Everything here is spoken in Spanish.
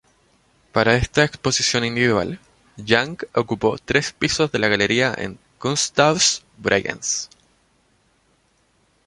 Para esta exposición individual, Yang ocupó tres pisos de la galería en Kunsthaus Bregenz.